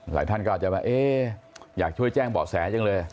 ท่านก็อาจจะว่าอยากช่วยแจ้งเบาะแสจังเลย